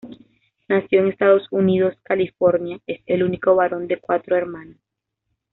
Nació en Estados Unidos, California es el único varón de cuatro hermanas.